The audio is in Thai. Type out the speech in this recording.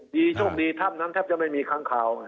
โชคดีถ้ำนั้นแทบจะไม่มีค้างข่าว